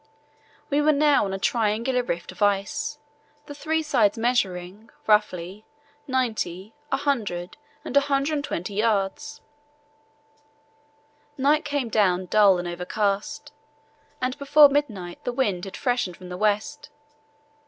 We were now on a triangular raft of ice, the three sides measuring, roughly, 90, 100, and 120 yds. Night came down dull and overcast, and before midnight the wind had freshened from the west.